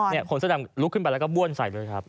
เนี่ยขนสด่ำลุกขึ้นไปแล้วก็บวนใส่เลยครับ